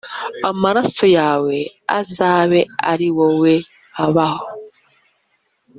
Amaraso yawe azabe ari wowe abaho.”